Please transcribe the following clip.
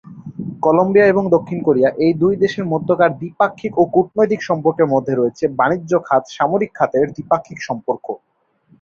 Colombia এবং দক্ষিণ Korea, এই দুই দেশের মধ্যকার দ্বিপাক্ষিক ও কূটনৈতিক সম্পর্কের মধ্যে রয়েছে বাণিজ্য খাত সামরিক খাতে দ্বিপাক্ষিক সম্পর্ক।